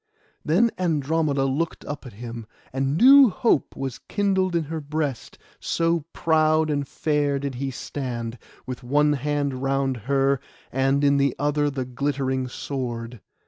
Then Andromeda looked up at him, and new hope was kindled in her breast, so proud and fair did he stand, with one hand round her, and in the other the glittering sword.